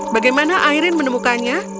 bagaimana aireen menemukannya